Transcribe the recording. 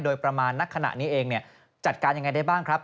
โดยประมาณนักขณะนี้เองจัดการยังไงได้บ้างครับ